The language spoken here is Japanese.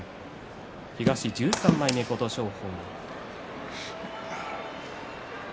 東１３枚目の琴勝峰。